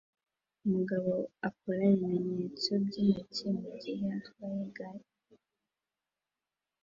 Umugabo akora ibimenyetso byintoki mugihe atwaye igare